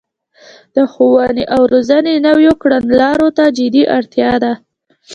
د ښوونې او روزنې نويو کړنلارو ته جدي اړتیا ده